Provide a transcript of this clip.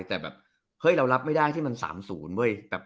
แต่แบบเฮ้ยเรารับไม่ได้ที่มันสามศูนย์เว้ยแบบ